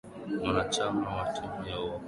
mwanachama wa timu ya uokoaji alifanya kazi yake